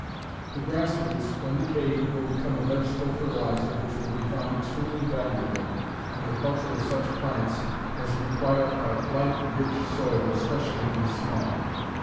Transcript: The grassroots, when decayed, will become a vegetable fertilizer which will be found extremely valuable in the culture of such plants as require a light, rich soil, especially when small.